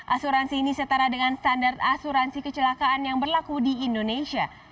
asuransi ini setara dengan standar asuransi kecelakaan yang berlaku di indonesia